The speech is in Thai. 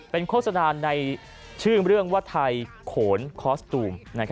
เป็นโฆษณาในชื่อเรื่องว่าไทยโขนคอสตูม